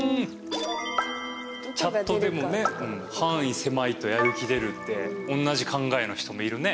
チャットでもね「範囲狭いとやる気出る」って同じ考えの人もいるね。